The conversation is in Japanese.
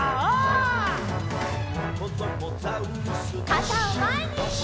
かたをまえに！